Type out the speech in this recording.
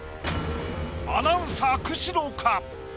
アナウンサー・久代か？